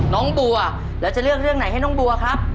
น้องบัวแล้วจะเลือกเรื่องไหนให้น้องบัวครับ